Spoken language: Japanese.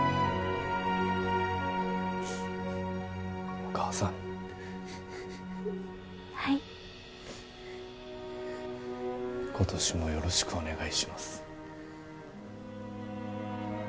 お母さんはい今年もよろしくお願いします